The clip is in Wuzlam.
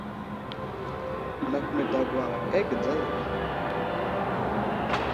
Nakw me dagwa aghe dzaya yakw.